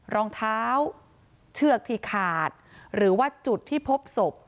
รองเท้าเชือกที่ขาดหรือว่าจุดที่พบศพ